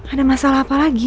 ada masalah apa lagi